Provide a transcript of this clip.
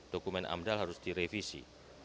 dokumen amdal harus direvisi